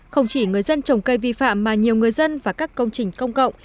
không chỉ người dân trồng cây vi phạm mà nhiều người dân và các công trình công cộng